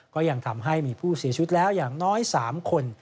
ก็ยังทำให้มีผู้เสียชีวิตแล้วอย่างน้อย๓คน